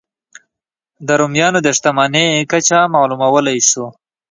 د رومیانو د شتمنۍ کچه معلومولای شو.